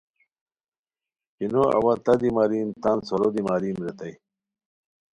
کینو اوا تہ دی ماریم تان سورو دی ماریم ریتائے